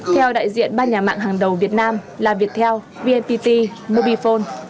theo đại diện ba nhà mạng hàng đầu việt nam là viettel vnpt mobifone